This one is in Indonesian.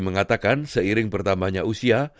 mengatakan seiring pertamanya usia